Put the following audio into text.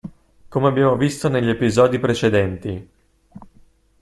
Come abbiamo visto negli episodi precedenti.